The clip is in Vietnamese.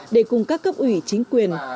để cùng các cấp ủy chính quyền